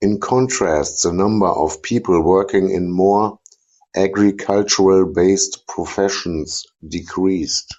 In contrast, the number of people working in more agricultural-based professions decreased.